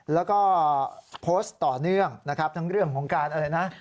แล้วก็โพสต์ต่อเนื่องนะครับทั้งเรื่องของการอะไรนะ